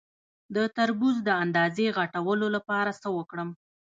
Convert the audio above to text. د تربوز د اندازې غټولو لپاره څه وکړم؟